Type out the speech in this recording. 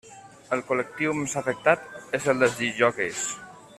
El col·lectiu més afectat és el dels discjòqueis.